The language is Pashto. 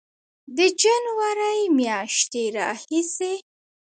د جنورۍ میاشتې راهیسې